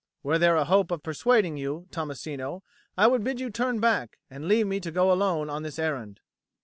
Were there a hope of persuading you, Tommasino, I would bid you turn back, and leave me to go alone on this errand."